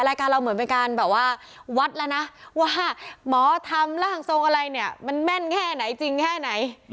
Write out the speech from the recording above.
รายการเราเหมือนเป็นการแบบว่าวัดแล้วนะว่าหมอทำร่างทรงอะไรเนี่ยมันแม่นแค่ไหนจริงแค่ไหน